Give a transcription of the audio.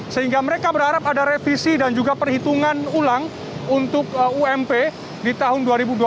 sehingga mereka berharap ada revisi dan juga perhitungan ulang untuk ump di tahun dua ribu dua puluh satu